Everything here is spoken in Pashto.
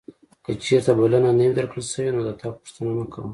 که چیرته بلنه نه وې درکړل شوې نو د تګ غوښتنه مه کوه.